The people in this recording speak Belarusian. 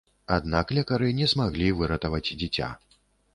Аднак лекары не змаглі выратаваць дзіця.